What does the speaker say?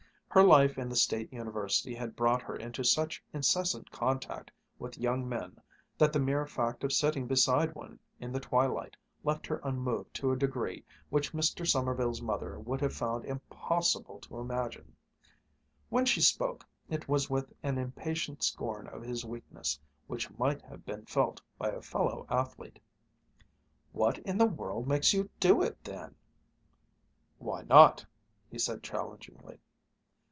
Her life in the State University had brought her into such incessant contact with young men that the mere fact of sitting beside one in the twilight left her unmoved to a degree which Mr. Sommerville's mother would have found impossible to imagine. When she spoke, it was with an impatient scorn of his weakness, which might have been felt by a fellow athlete: "What in the world makes you do it, then?" "Why not?" he said challengingly.